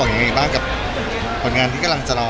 คิดคาดหวังอย่างไรบ้าง